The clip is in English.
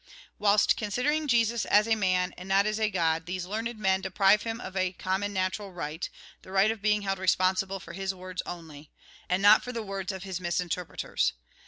Whilst considering Jesus as a man, and not as a God, these learned men deprive him of a common natural right : the right of being held responsible for his own words only, and not for the words of his misinterpreters.